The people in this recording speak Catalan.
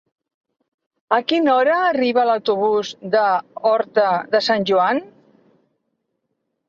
A quina hora arriba l'autobús de Horta de Sant Joan?